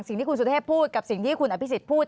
สิ่งที่คุณสุทธิพูดกับสิ่งที่คุณอภิสิทธิ์พูด